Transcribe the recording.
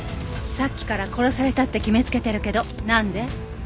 さっきから殺されたって決めつけてるけどなんで？